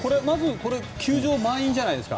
これ球場満員じゃないですか。